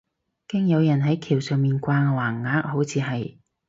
驚有人係橋上面掛橫額，好似係